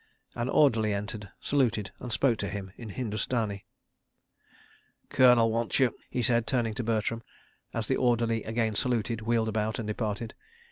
An orderly entered, saluted, and spoke to him in Hindustani. "Colonel wants you," he said, turning to Bertram, as the orderly again saluted, wheeled about, and departed.